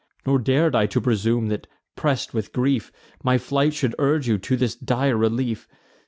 Nor dar'd I to presume, that, press'd with grief, My flight should urge you to this dire relief.